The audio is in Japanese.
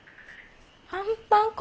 パンパン粉？